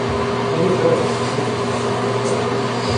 Many birds are sitting on a concrete wall.